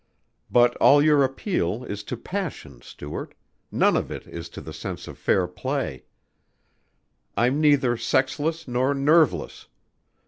But all your appeal is to passion, Stuart none of it to the sense of fair play. I'm neither sexless nor nerveless.